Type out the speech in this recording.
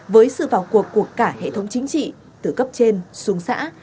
với sự vào cuộc của cả hệ thống chính trị từ cấp trên xuống xã